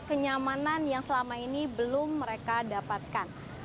kenyamanan yang selama ini belum mereka dapatkan